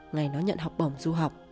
ngày nó nhận học bổng du học